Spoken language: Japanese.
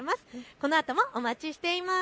このあともお待ちしています。